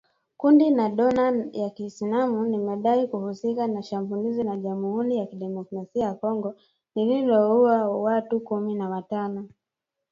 Kundi la dola ya Kiislamu limedai kuhusika na shambulizi la Jamuhuri ya Kidemokrasia ya Kongo lililouwa watu kumi na watano